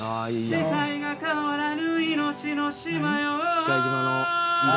世界が変わらぬ命の島よ何？